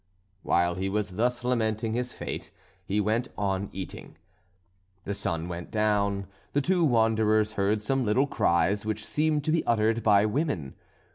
While he was thus lamenting his fate, he went on eating. The sun went down. The two wanderers heard some little cries which seemed to be uttered by women.